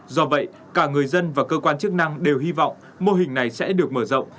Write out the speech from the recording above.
do vậy cả người dân và cơ quan chức năng đều hy vọng mô hình này sẽ được mở rộng